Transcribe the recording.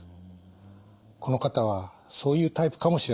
この方はそういうタイプかもしれません。